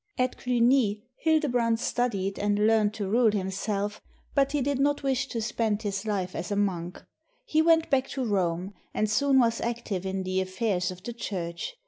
At Cluni, Hildebrand studied and learned to rule him self, but he did not wish to spend his life as a monk. He went back to Rome, and soon was active in the affairs of the Church.